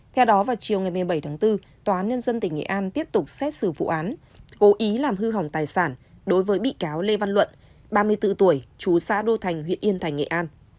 theo đó vào chiều ngày một mươi bảy tháng bốn tòa án nhân dân tỉnh nghệ an tiếp tục xét xử vụ án cố ý làm hư hỏng tài sản đối với bị cáo lê văn luận ba mươi bốn tuổi chú xã đô thành huyện yên thành nghệ an